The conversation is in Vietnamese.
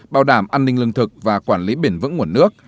bảo đảm an ninh lương thực và quản lý bền vững nguồn nước